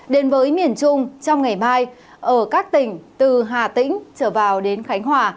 đến với miền trung trong ngày mai ở các tỉnh từ hà tĩnh trở vào đến khánh hòa